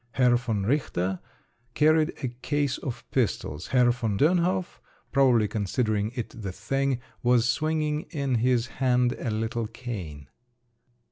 Herr von Richter carried a case of pistols, Herr von Dönhof—probably considering it the thing—was swinging in his hand a little cane.